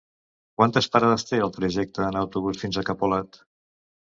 Quantes parades té el trajecte en autobús fins a Capolat?